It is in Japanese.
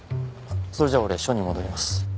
それじゃあ俺署に戻ります。